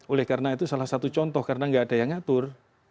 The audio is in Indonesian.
oleh karena itu salah satu contoh karena nggak ada yang ngatur